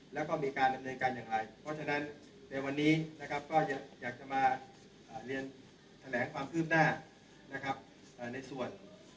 แล้วก็มีการดำเนินการอย่างไรเพราะฉะนั้นในวันนี้นะครับก็อยากจะมาเรียนแถลงความคืบหน้านะครับในส่วน